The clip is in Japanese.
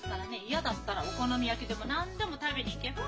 嫌だったらお好み焼きでも何でも食べに行けば？